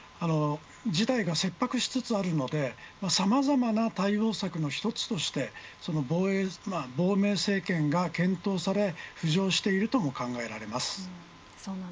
事態が切迫しつつあるのでさまざまな対応策の一つとしてその亡命政権が検討され浮上しているとも考えられます。